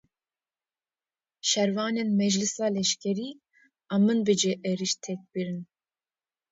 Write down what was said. Şervanên Meclisa Leşkerî a Minbicê êriş têk birin